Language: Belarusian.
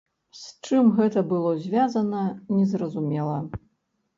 З чым гэта было звязана, незразумела.